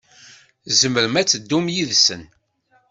Tzemrem ad teddum yid-sen.